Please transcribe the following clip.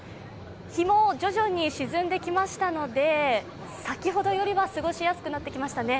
日も徐々に沈んできましたので先ほどよりは過ごしやすくなってきましたね。